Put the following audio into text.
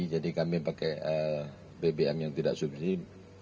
jadi kami pakai bbm yang tidak subsidi